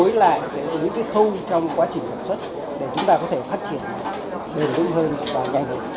cân đối lại với những cái khâu trong quá trình sản xuất để chúng ta có thể phát triển bền lũ hơn và nhanh hơn